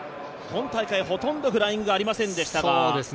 今大会ほとんどフライングがありませんでしたが。